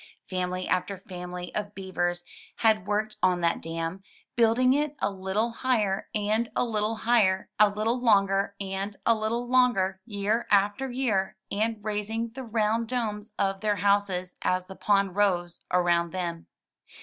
Family after family of beavers had worked on that dam, building it a little higher and a Uttle higher, a Uttle longer and a little longer, year after year; and raising the round domes of their houses as the pond rose around them.